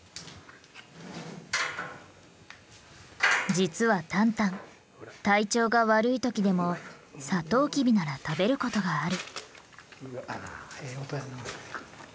実はタンタン体調が悪い時でもサトウキビなら食べることがある。